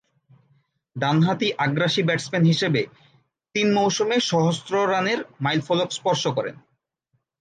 ডানহাতি আগ্রাসী ব্যাটসম্যান হিসেবে তিন মৌসুমে সহস্র রানের মাইলফলক স্পর্শ করেন।